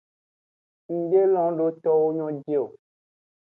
Ng de lon do towo nyo ji o.